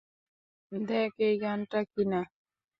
দেখ, এই গানটা কি-না।